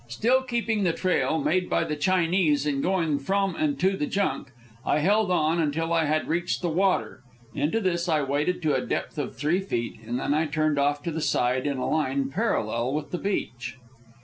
Still keeping the trail made by the Chinese in going from and to the junk, I held on until I had reached the water. Into this I waded to a depth of three feet, and then I turned off to the side on a line parallel with the beach.